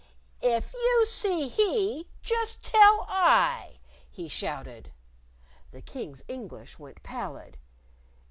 "If you see he, just tell I!" he shouted. The King's English went pallid.